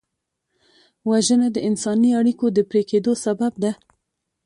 وژنه د انساني اړیکو د پرې کېدو سبب ده